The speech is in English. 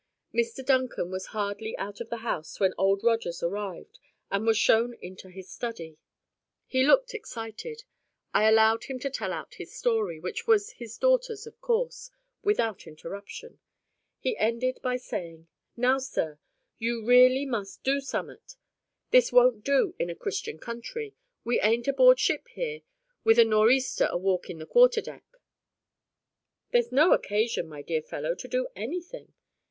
Dr Duncan was hardly out of the house when Old Rogers arrived, and was shown into the study. He looked excited. I allowed him to tell out his story, which was his daughter's of course, without interruption. He ended by saying:— "Now, sir, you really must do summat. This won't do in a Christian country. We ain't aboard ship here with a nor' easter a walkin' the quarter deck." "There's no occasion, my dear old fellow, to do anything."